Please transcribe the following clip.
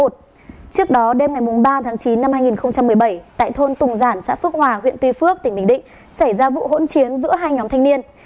trước đó đêm ngày ba tháng chín năm hai nghìn một mươi bảy tại thôn tùng giản xã phước hòa huyện tuy phước tỉnh bình định xảy ra vụ hỗn chiến giữa hai nhóm thanh niên